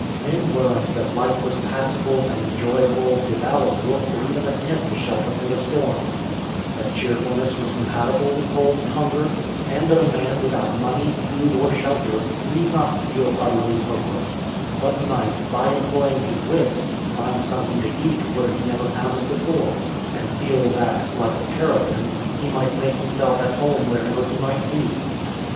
Men learned that life was passable and enjoyable without a roof or even a tent to shelter from the storm; that cheerfulness was compatible with cold and hunger; and that a man without money, food, or shelter need not feel utterly hopeless, but might, by employing his wits, find something to eat where he never found it before; and feel that, like a terrapin, he might make himself at home wherever he might be.